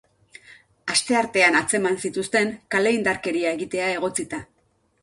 Asteartean atzeman zituzten, kale-indarkeria egitea egotzita.